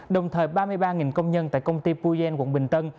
đồng thời ba mươi ba công nhân tại công ty pujen quận bình tân